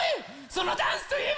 そのダンスといえば。